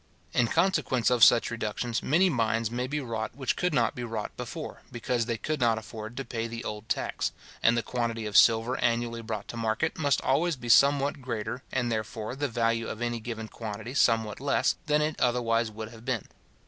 In consequence of such reductions, many mines may be wrought which could not be wrought before, because they could not afford to pay the old tax; and the quantity of silver annually brought to market, must always be somewhat greater, and, therefore, the value of any given quantity somewhat less, than it otherwise would have been.